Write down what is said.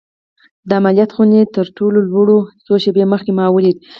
د عملیات خونې ته تر وړلو څو شېبې مخکې ما ولید